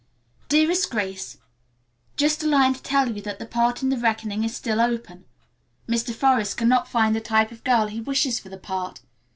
"DEAREST GRACE: "Just a line to tell you that the part in 'The Reckoning' is still open. Mr. Forest cannot find the type of girl he wishes for the part.